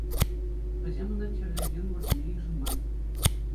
Вӗсем ӑна чирлӗ ҫын вырӑнне йышӑнман.